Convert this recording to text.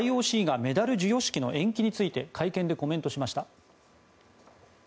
ＩＯＣがメダル授与式の延期について会見でコメントしました。